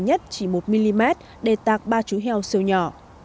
nhất chỉ một mm để tạc ba chú heo siêu nhỏ